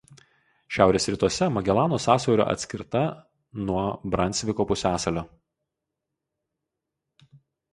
Šiaurės rytuose Magelano sąsiaurio atskirta nuo Bransviko pusiasalio.